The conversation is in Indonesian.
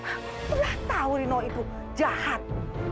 aku udah tahu rino itu jahat